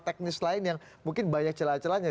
teknis lain yang mungkin banyak celah celahnya